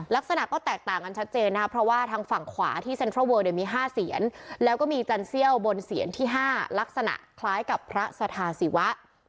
ลักษณะก็แตกต่างกันชัดเจนนะครับเพราะว่าทางฝั่งขวาที่เซ็นทรัลเวิลเนี่ยมี๕เสียนแล้วก็มีจันเซี่ยวบนเสียนที่๕ลักษณะคล้ายกับพระสถาศิวะ